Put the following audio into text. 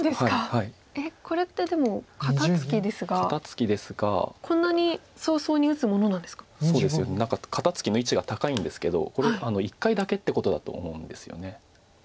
肩ツキの位置が高いんですけどこれ一回だけってことだと思うんですよね。